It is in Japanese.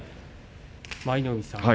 舞の海さん